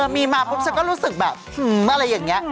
มีมากปุ่นแล้วก็รู้สึกเหมือนแบบฮืออะไรอย่างเงี้ย